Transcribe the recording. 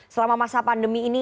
selama masa pandemi ini